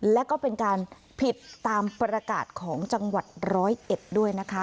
และก็เป็นการผิดตามประกาศของจังหวัดร้อยเอ็ดด้วยนะคะ